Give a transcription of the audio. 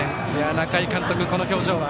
仲井監督、この表情は。